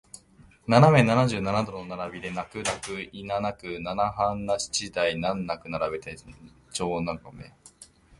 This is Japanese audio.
斜め七十七度の並びで泣く泣くいななくナナハン七台難なく並べて長眺め